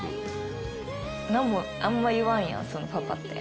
何もあんま言わんやんパパって。